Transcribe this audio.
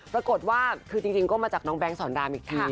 ปรากฏว่าคือจริงก็มาจากน้องแก๊งสอนรามอีกที